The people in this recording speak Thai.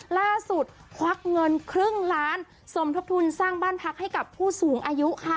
ล่าสุดควักเงินครึ่งล้านทรงคุณสรรคาดิบันทรัพย์ให้ของผู้สูงอายุค่ะ